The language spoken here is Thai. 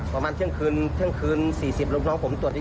ประมาณเชื่อมคืน๔๐บาทลูกน้องผมตรวจ